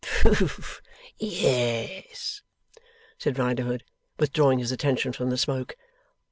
'Poof! Yes,' said Riderhood, withdrawing his attention from the smoke.